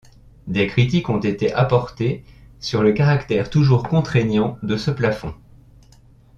Des critiques ont été apportées sur le caractère toujours contraignant de ce plafond.